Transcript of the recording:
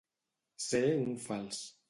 Ser un fals.